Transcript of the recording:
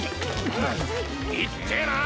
いってえな！